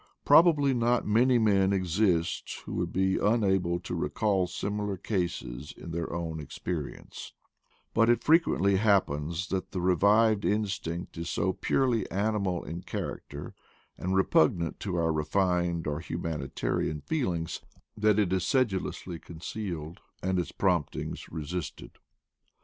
Probably not many men exist who would be unable to recall similar cases in their own experience; but it fre THE PLAINS OF PATAGONIA 211 qnently happens that the revived instinct is so purely animal in character and repugnant to our refined or humanitarian feelings, that it is sedu lously concealed and its promptings resisted.